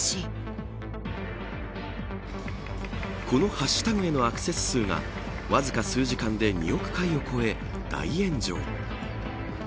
このハッシュタグへのアクセス数がわずか数時間で２億回を超え大炎上。